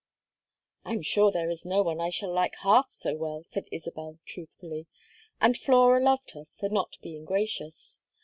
"I am sure there is no one I shall like half so well," said Isabel, truthfully; and Flora loved her for not being gracious.